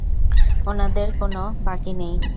ওনাদের কোনো বাকি নেই।